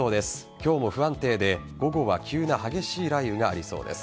今日も不安定で午後は急な激しい雷雨がありそうです。